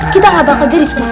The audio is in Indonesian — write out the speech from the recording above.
kita gak bakal jadi cuma